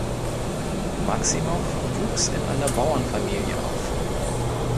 Maximow wuchs in einer Bauernfamilie auf.